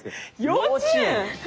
幼稚園。